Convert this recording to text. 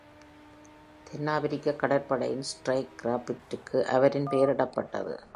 தென்னாப்பிரிக்க கடற்படையின் ஸ்ட்ரைக் கிராஃப்ட்டிற்கு அவரின் பெயரிடப்பட்டது.